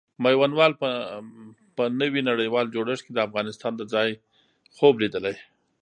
میوندوال په نوي نړیوال جوړښت کې د افغانستان د ځای خوب لیدلی.